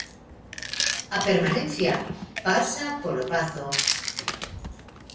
A permanencia pasa polo Pazo.